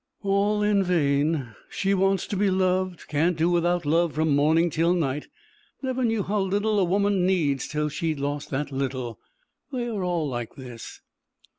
All in vain. She wants to be loved; can't do without love from morning till night; never knew how little a woman needs till she lost that little. They are all like this.